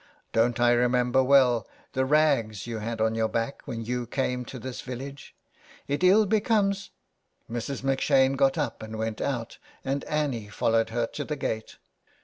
Don't I remember well the rags you had on your back when you came to this village. It ill becomes " Mrs. M'Shane got up and went out and Annie followed her to the gate.